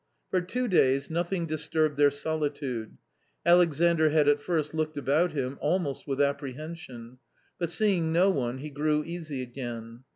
For two days nothing disturbed their solitude. Alexandr had at first looked about him, almost with apprehension ; but seeing no one he grew easy again.